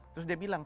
terus dia bilang